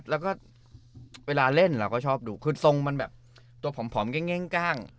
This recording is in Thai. แล้วก็เวลาเล่นเราก็ชอบดูคือทรงมันแบบตัวผอมแกล้ง